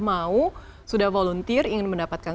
mau sudah volunteer ingin mendapatkan